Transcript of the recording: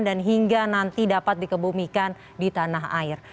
dan hingga nanti dapat dikebumikan di tanah air